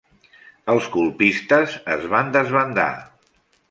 Els colpistes es van desbandar.